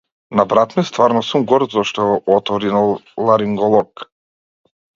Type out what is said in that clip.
На брат ми стварно сум горд зашто е оториноларинголог.